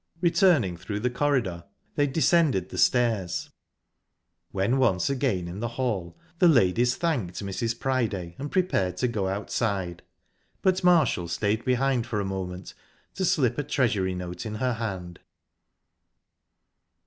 Returning through the corridor, they descended the stairs. When once again in the hall, the ladies thanked Mrs. Priday and prepared to go outside, but Marshall stayed behind for a moment to slip a treasury note in her hand.